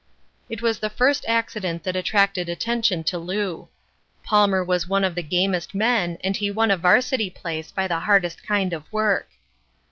"That was the first accident that attracted attention to Lew. Palmer was one of the gamest men and he won a Varsity place by the hardest kind of work.